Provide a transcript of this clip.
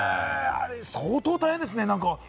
相当大変ですね。